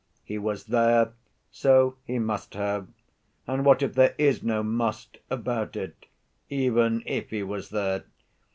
He was there, so he must have. And what if there is no must about it, even if he was there?